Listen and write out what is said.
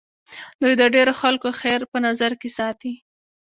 دوی د ډېرو خلکو خیر په نظر کې ساتي.